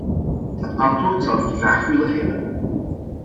Dat antwoord zou ik graag willen hebben.